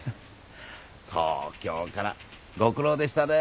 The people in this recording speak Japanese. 東京からご苦労でしたね。